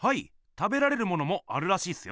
食べられるものもあるらしいっすよ。